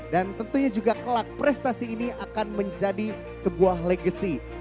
dan tentunya juga kelak prestasi ini akan menjadi sebuah legacy